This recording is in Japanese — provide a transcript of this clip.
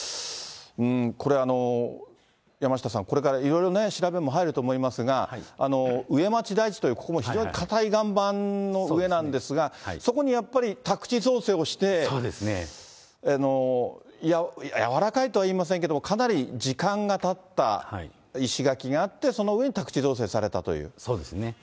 これ、山下さん、これからいろいろ調べも入ると思いますが、上町台地という、ここも非常に固い岩盤の上なんですが、そこにやっぱり宅地造成をして、軟らかいとは言いませんけれども、かなり時間がたった石垣があって、その上に宅そうですね。